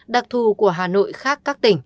đặc thù của hà nội khác